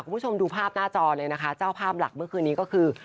คุณผู้ชมดูภาพหน้าจอเลยนะคะเจ้าภาพหลักเมื่อคืนนี้ก็คือ